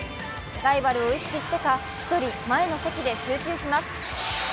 ライバルを意識してか、１人、前の席で集中します。